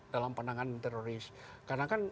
dalam penanganan teroris karena kan